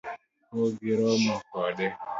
Pok giromo kode